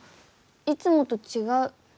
いつもとちがう。